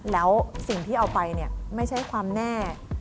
แล้วสิ่งที่เอาไปเนี่ยไม่ใช่ความแน่